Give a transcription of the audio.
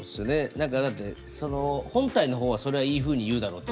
何かだってその本体の方はそれはいいふうに言うだろうって。